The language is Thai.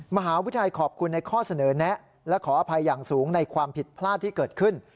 มหาวิทยาลัยขอบคุณในข้อเสนอแนะและขออภัยอย่างสูงในความผิดพลาดที่เกิดขึ้น